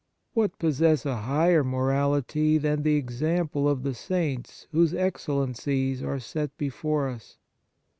what possess a higher morality than the example of the Saints whose excellencies are set before us